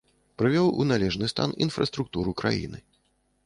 Прывёў у належны стан інфраструктуру краіны.